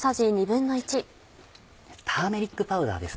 ターメリックパウダーです。